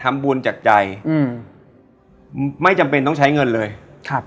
ทำบุญจากใจอืมไม่จำเป็นต้องใช้เงินเลยครับ